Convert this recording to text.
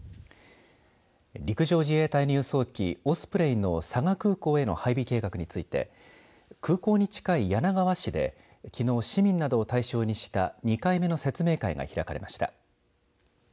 陸上自衛隊の輸送機オスプレイの佐賀空港への配備計画について空港に近い柳川市できのう市民などを対象にした２回目の説明会が開かれました。